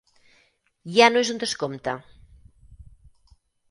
Ja no és un descompte!